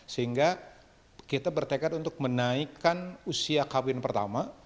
sehingga kita bertekad untuk menaikkan usia kawin pertama